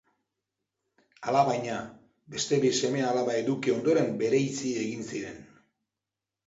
Alabaina, beste bi seme-alaba eduki ondoren bereizi egin ziren.